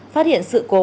phát hiện sự cố